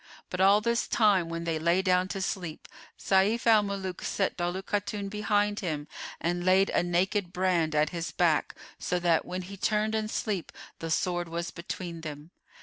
But all this time when they lay down to sleep, Sayf al Muluk set Daulat Khatun behind him and laid a naked brand at his back, so that, when he turned in sleep the sword was between them.